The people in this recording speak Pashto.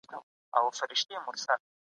ناروغ د بلغم ستونزې هم لري.